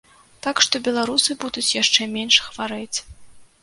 Так што беларусы будуць яшчэ менш хварэць.